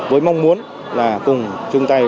với mong muốn là cùng chung tay